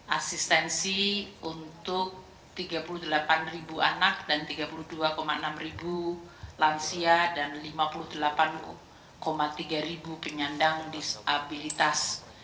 asistensi untuk tiga puluh delapan anak dan tiga puluh dua enam ribu lansia dan lima puluh delapan tiga ribu penyandang disabilitas